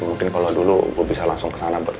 mungkin kalau dulu gue bisa langsung kesana buat aja ya